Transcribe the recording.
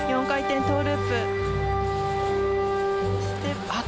４回転トウループ。